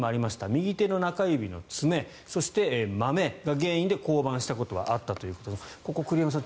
右手中指の爪そして、まめが原因で降板したことはあったということでここ、栗山さん